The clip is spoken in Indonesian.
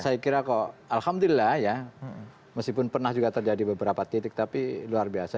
saya kira kok alhamdulillah ya meskipun pernah juga terjadi beberapa titik tapi luar biasa